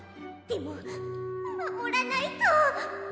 でもまもらないと！